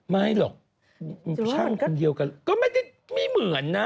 ไม่หรอกอ่ะเพียงกันเดียวกันก็ไม่เหมือนนะ